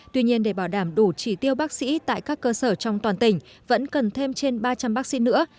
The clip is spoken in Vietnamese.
tuy nhiên để bảo đảm đủ trí tiêu bác sĩ tại các cơ sở trong toàn tỉnh vẫn cần thêm trên ba trăm linh bác sĩ nữa